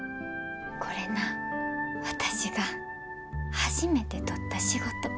これな私が初めて取った仕事。